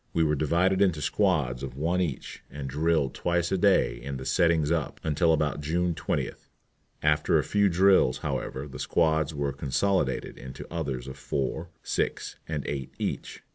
We were divided into squads of one each, and drilled twice a day in the "settings up" until about June 20th. After a few drills, however, the squads were consolidated into others of four, six, and eight each.